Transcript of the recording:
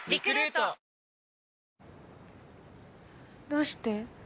どうして？